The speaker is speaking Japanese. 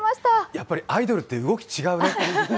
やっぱりアイドルって動き、違うね。